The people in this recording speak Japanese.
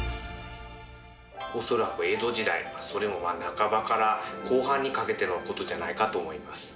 恐らく江戸時代、それも半ばから後半にかけてのことじゃないかと思います。